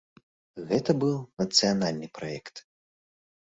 Гэта быў нацыянальны праект.